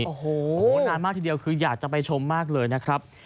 โอ้โหนานมากทีเดียวคืออยากจะไปชมมากเลยนะครับ